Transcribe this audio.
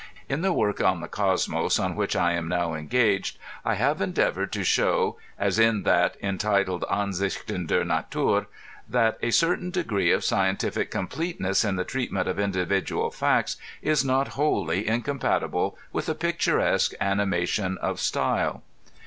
In the work on the Cosmos on which I am now engaged, I have endeavored to show, as in that entitled Anr sichten der Natur, that a certain degree of scientific com pleteness in the treatment of individual facts is not wholly incompatible with a picturesque animation of style.